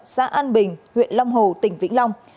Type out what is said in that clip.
xã an bình huyện long hồ tỉnh vĩnh long